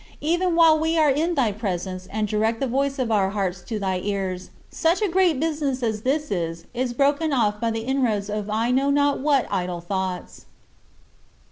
Even while we are in thy presence and direct the voice of our hearts to thy ears, such a great business as this is broken off by the inroads of I know not what idle thoughts.